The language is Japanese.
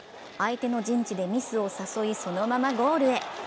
相手の陣地でミスを誘い、そのままゴールへ。